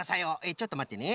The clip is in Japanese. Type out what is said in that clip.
ちょっとまってね。